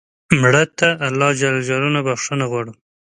مړه ته الله ج نه بخښنه غواړو